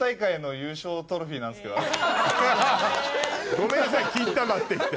ごめんなさい金玉って言って。